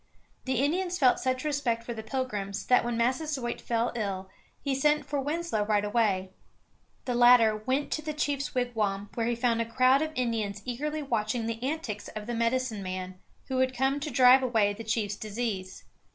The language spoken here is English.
The Indians felt such respect for the Pilgrims that when Massasoit fell ill he sent for Winslow right away. The latter went to the chief's wigwam, where he found a crowd of Indians eagerly watching the antics of the medicine man, who had come to drive away the chief's disease.